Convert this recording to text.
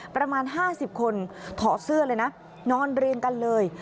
ประมาณ๕๐คนถอดเสื้อเลยนะนอนเรียงกันเลย